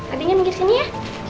adiknya minggir sini ya